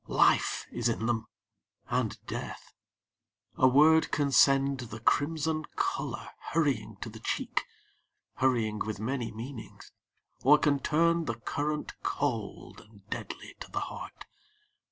Life is in them, and death. A word can send The crimson colour hurrying to the cheek. Hurrying with many meanings; or can turn The current cold and deadly to the heart.